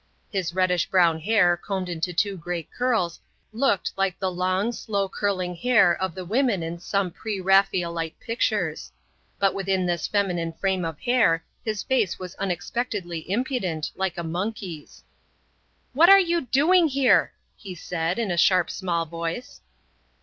His reddish brown hair, combed into two great curls, looked like the long, slow curling hair of the women in some pre Raphaelite pictures. But within this feminine frame of hair his face was unexpectedly impudent, like a monkey's. "What are you doing here?" he said, in a sharp small voice.